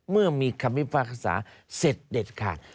เมื่อมีคำพิพากษาเสร็จเด็ดขาด